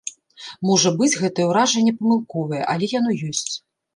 Можа быць, гэтае ўражанне памылковае, але яно ёсць.